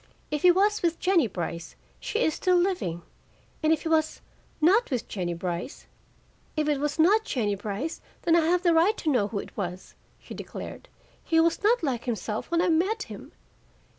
"If he was with Jennie Brice, she is still living, and if he was not with Jennie Brice " "If it was not Jennie Brice, then I have a right to know who it was," she declared. "He was not like himself when I met him.